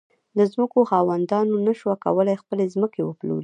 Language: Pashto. د ځمکو خاوندانو نه شوای کولای خپلې ځمکې وپلوري.